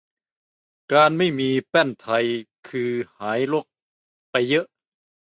การไม่มีแป้นไทยคือหายรกไปเยอะ